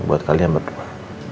buat kalian berdua